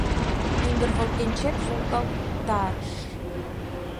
Мӱндыр волгенчет волгалтарыш